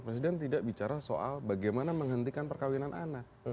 presiden tidak bicara soal bagaimana menghentikan perkawinan anak